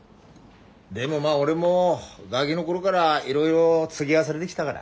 でもまあ俺もガギの頃からいろいろつぎあわされできたから。